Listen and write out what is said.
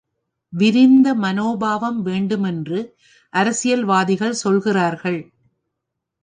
விரிந்த மனோபாவம் வேண்டும் என்று அரசியல்வாதிகள் சொல்கிறார்கள்.